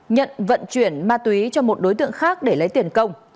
nhận vận chuyển ma túy cho một đối tượng khác để lấy tiền công